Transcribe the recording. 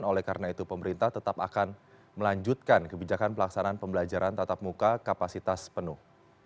oleh karena itu pemerintah tetap akan melanjutkan kebijakan pelaksanaan pembelajaran tatap muka kapasitas penuh